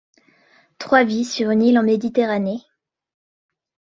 Trois vies sur une île en Méditerranée...